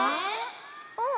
うん。